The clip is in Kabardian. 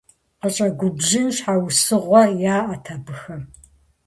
КъыщӀэгубжьын щхьэусыгъуэ яӀэт абыхэм.